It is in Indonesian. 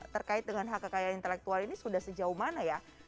terkait dengan hak kekayaan intelektual ini sudah sejauh mana ya